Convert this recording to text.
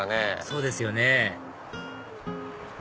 そうですよね